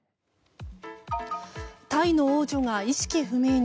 タイの王女が意識不明に。